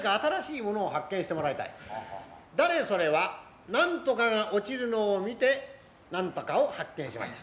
誰それは何とかが落ちるのを見て何とかを発見しました。